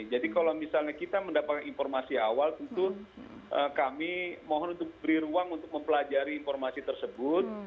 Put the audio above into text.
jadi kalau misalnya kita mendapatkan informasi awal tentu kami mohon untuk beri ruang untuk mempelajari informasi tersebut